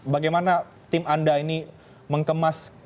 bagaimana tim anda ini mengkemas kampanye nanti di jogja